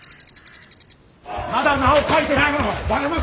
まだ名を書いてない者。